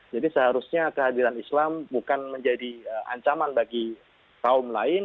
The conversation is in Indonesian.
jadi seharusnya kehadiran islam bukan menjadi ancaman bagi kaum lain